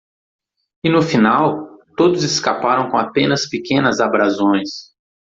E no final? todos escaparam com apenas pequenas abrasões.